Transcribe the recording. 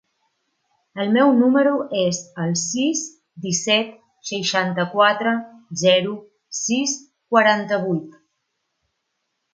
El meu número es el sis, disset, seixanta-quatre, zero, sis, quaranta-vuit.